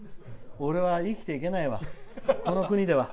俺は生きていけないわ